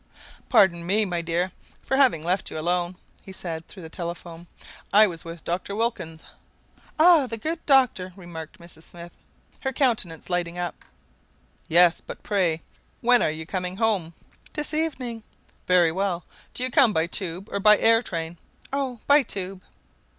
"Pardon me, my dear, for having left you alone," he said through the telephone. "I was with Dr. Wilkins." "Ah, the good doctor!" remarked Mrs. Smith, her countenance lighting up. "Yes. But, pray, when are you coming home?" "This evening." "Very well. Do you come by tube or by air train?" "Oh, by tube."